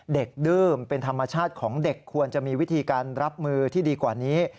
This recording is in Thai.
ดื้อมเป็นธรรมชาติของเด็กควรจะมีวิธีการรับมือที่ดีกว่านี้